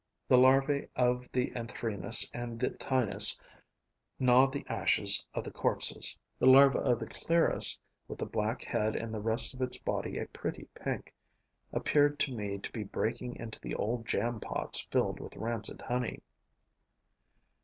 The larvae of the Anthrenus and the Ptinus gnaw the ashes of the corpses; the larva of the Clerus, with the black head and the rest of its body a pretty pink, appeared to me to be breaking into the old jam pots filled with rancid honey.